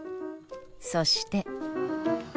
そして。